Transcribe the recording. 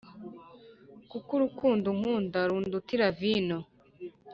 Kuko urukundo unkunda rundutira vino.